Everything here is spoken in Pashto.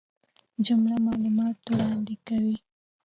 جمله معلومات وړاندي کوي.